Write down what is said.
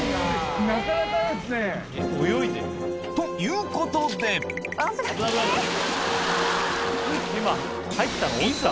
なかなかですね。ということでいざ